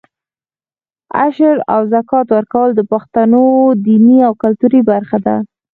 عشر او زکات ورکول د پښتنو دیني او کلتوري برخه ده.